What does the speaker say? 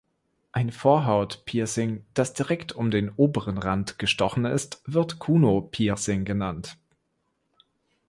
Ein Vorhaut-Piercing, das direkt um den oberen Rand gestochen ist, wird Kuno-Piercing genannt.